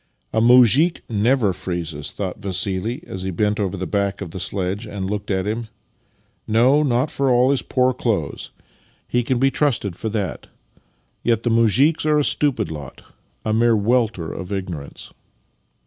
" A muzhik never freezes," thought Vassili as he bent over the back of the sledge and looked at him. " No, not for all his poor clothes. He can be trusted Master and Man 45 for that. Yet the muzhiks are a stupid lot — a mere welter of ignorance."